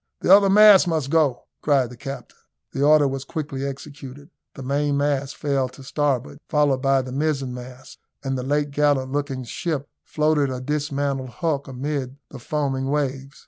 "The other masts must go," cried the captain. The order was quickly executed. The mainmast fell to starboard, followed by the mizen mast, and the late gallant looking ship floated a dismantled hulk amid the foaming waves.